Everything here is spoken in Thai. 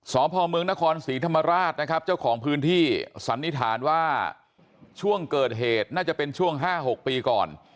สพเมืองนครศรีธรรมราชนะครับเจ้าของพื้นที่สันนิษฐานว่าช่วงเกิดเหตุน่าจะเป็นช่วง๕๖ปีก่อน